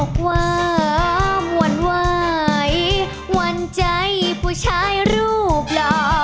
อกว่ามว่านวายวันใจผู้ชายรูปหล่อ